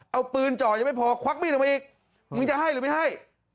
เอาปืนจ่อยังไม่พอควักมีดออกมาอีกมึงจะให้หรือไม่ให้